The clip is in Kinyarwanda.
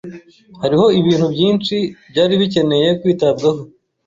Hariho ibintu byinshi byari bikeneye kwitabwaho,